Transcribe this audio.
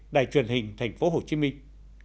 đài truyền hình thành phố hồ chí minh